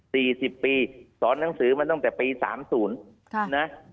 สี่สิบปีสอนหนังสือมาตั้งแต่ปีสามศูนย์ค่ะนะ